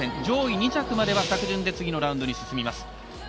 上位２着までは着順で次のラウンドに進みます。